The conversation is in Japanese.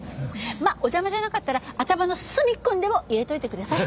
まあお邪魔じゃなかったら頭の隅っこにでも入れといてください。